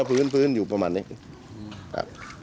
ไม่พื้นอยู่ประมาณนี้